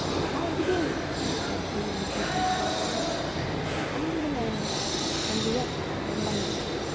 "How d'ye do?" says he, when I opened the door to him. "I'm the man you expect from the office in London.